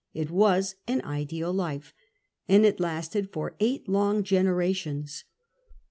It was an ideal life. And it lasted for eight long generations.